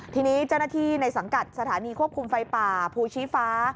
ทีนี้เจ้าหน้าที่ในสังกัดสถานีควบคุมไฟป่าภูชีฟ้า